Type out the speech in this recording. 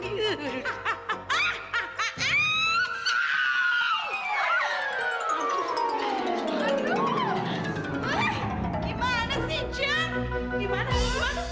gimana sih cik gimana sekarang